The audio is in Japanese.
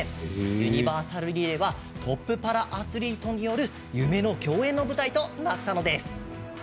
ユニバーサルリレーはトップパラアスリートによる夢の競演の舞台となったのです。